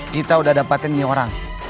kita udah dapetin ini orang